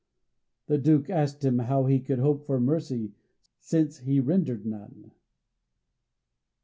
The Duke asked him how he could hope for mercy, since he rendered none.